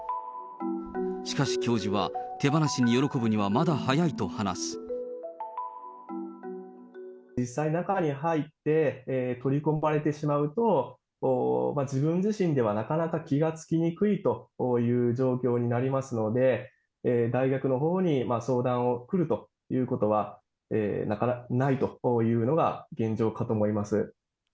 しかし教授は、手放しに喜ぶには実際、中に入って、取り込まれてしまうと、自分自身ではなかなか気がつきにくいという状況になりますので、大学のほうに相談に来るということは、なかなかないというのが現状かと思います。